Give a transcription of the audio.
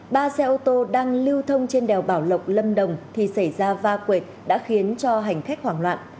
ba xe ô tô đang lưu thông trên đèo bảo lộc lâm đồng thì xảy ra va quệt đã khiến cho hành khách hoảng loạn